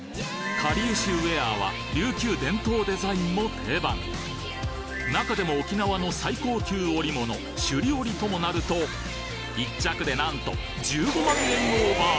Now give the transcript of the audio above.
かりゆしウエアは琉球伝統デザインも定番中でも沖縄の最高級織物首里織ともなると１着でなんと１５万円オーバー！